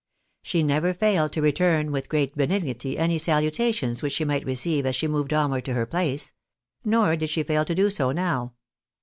She never failed to return with great benignity any salutations which she might receive as she moved onward to her place ; nor did she fail to do so now.